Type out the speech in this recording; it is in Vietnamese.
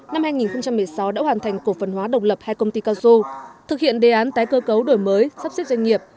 năm hai nghìn một mươi sáu đã hoàn thành cổ phần hóa độc lập hai công ty cao su thực hiện đề án tái cơ cấu đổi mới sắp xếp doanh nghiệp